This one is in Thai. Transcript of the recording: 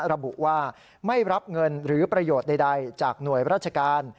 ระบุว่าไม่รับเงินหรือประโยชน์ใดจากหน่วยราชการ